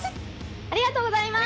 ありがとうございます！